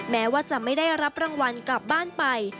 แม้ว่าจะไม่ได้รับรางวัลกลับบ้านไป